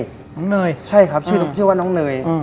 น้องเนยใช่ครับชื่อน้องชื่อว่าน้องเนย